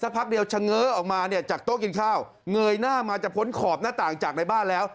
พักเดียวเฉง้อออกมาเนี่ยจากโต๊ะกินข้าวเงยหน้ามาจะพ้นขอบหน้าต่างจากในบ้านแล้ว